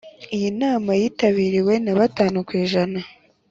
Iyi nama yitabiriwe na batanu ku ijana